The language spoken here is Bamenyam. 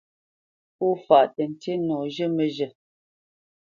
Pó fâʼ tə́ ntí nɔ zhə́ məzhə̂.